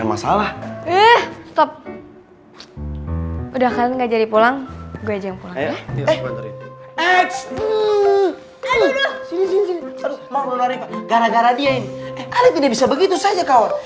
eh ali tidak bisa begitu saja kawan